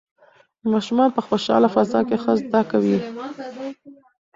ماشومان په خوشحاله فضا کې ښه زده کوي.